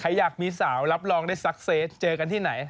อยากมีสาวรับรองได้สักเซตเจอกันที่ไหน